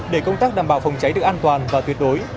để công tác đảm bảo phòng cháy được an toàn và tuyệt đối